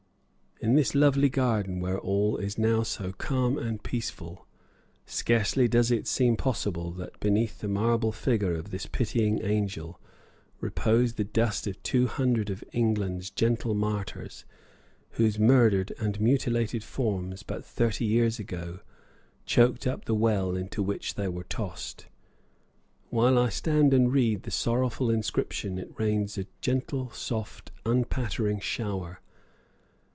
In this lovely garden, where all is now so calm and peaceful, scarcely does it seem possible that beneath the marble figure of this Pitying Angel repose the dust of two hundred of England's gentle martyrs, whose murdered and mutilated forms, but thirty years ago, choked up the well into which they were tossed. While I stand and read the sorrowful inscription it rains a gentle, soft, unpattering shower.